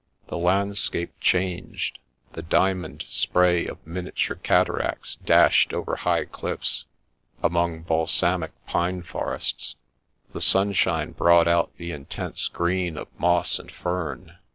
The landscape changed ; the diamond spray of miniature cataracts dashed over high cliffs, among balsamic pine forests ; the sunshine brought out the intense green of moss and fern.